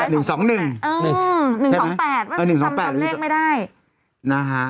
หนึ่งสองหนึ่งเออหนึ่งสองแปดว่าทำจำเลขไม่ได้นะฮะ